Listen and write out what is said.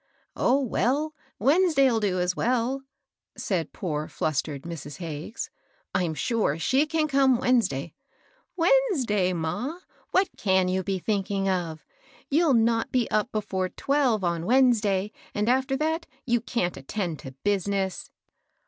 " Oh, well, Wednesday '11 do as well," said poor, flustered Mrs. Hagges. " I'm sure she can come Wednesday." Wednesday^ ma ? What can you be thinking of? You'll not be up before twelve on Wednes day; and, after that, you can't a:ttend to btm ne««."